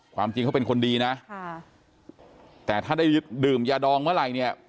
ความจริงเขาเป็นคนดีนะค่ะแต่ถ้าได้ดื่มยาดองเมื่อไหร่เนี่ย